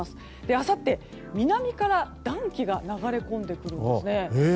あさって、南から暖気が流れ込んでくるんですね。